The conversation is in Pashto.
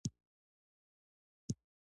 زه دیارلس کلنې نجلۍ یوازې ستا په ژوند فکر کاوه.